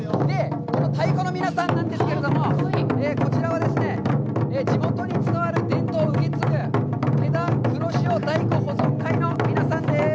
太鼓の皆さんなんですけれども、こちらはですね、地元に伝わる伝統を受け継ぐ、戸田黒潮太鼓保存会の皆さんです。